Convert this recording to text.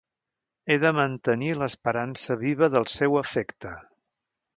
He de mantenir l'esperança viva del seu afecte.